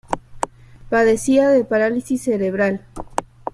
Padecía de parálisis cerebral.